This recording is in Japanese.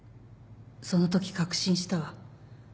そのとき確信したわ。